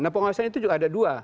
nah pengawasan itu juga ada dua